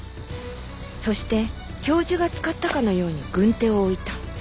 そして教授が使ったかのように軍手を置いた。